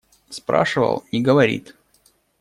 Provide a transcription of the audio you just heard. Спрашивал – не говорит.